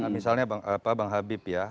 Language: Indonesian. misalnya bang habib ya